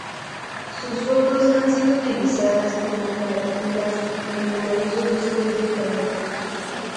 Sus fotos han sido utilizadas como carátulas en numerosos discos de flamenco.